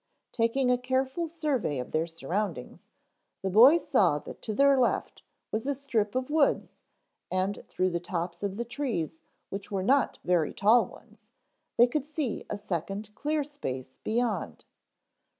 Taking a careful survey of their surroundings, the boys saw that to their left was a strip of woods and through the tops of the trees which were not very tall ones they could see a second clear space beyond.